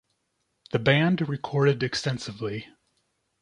The band recorded extensively.